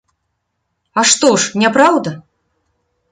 А што ж, няпраўда?